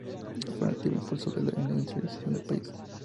Fue un activo impulsor de la industrialización del país.